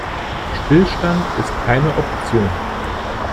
Stillstand ist keine Option.